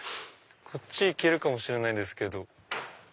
こっち行けるかもしれないんですけど。